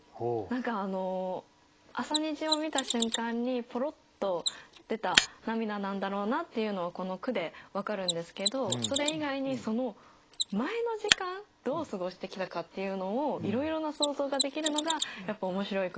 何か朝虹を見た瞬間にポロッと出た涙なんだろうなっていうのはこの句で分かるんですけどそれ以外にその前の時間どう過ごしてきたかっていうのをいろいろな想像ができるのがやっぱ面白い句だなと思って。